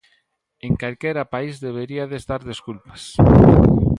En calquera país deberiades dar desculpas.